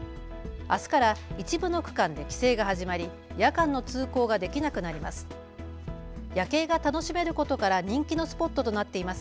あすから一部の区間で規制が始まり夜間の通行ができなくなります。